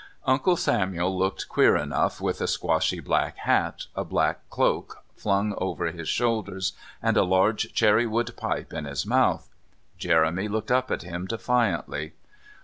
Uncle Samuel looked queer enough with a squashy black hat, a black cloak flung over his shoulders, and a large cherry wood pipe in his mouth. Jeremy looked up at him defiantly.